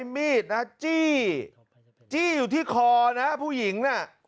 ไม่ออกจริง